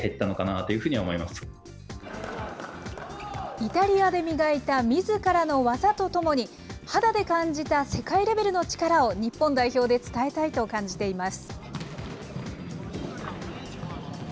イタリアで磨いたみずからの技とともに、肌で感じた世界レベルの力を日本代表で伝えたいと感じています。